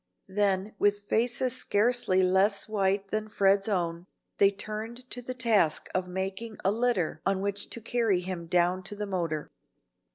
Then with faces scarcely less white than Fred's own, they turned to the task of making a litter on which to carry him down to the motor.